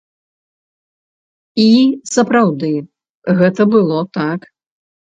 І, сапраўды, гэта было так.